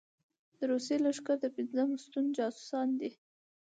د روسي لښکرو د پېنځم ستون جاسوسان دي.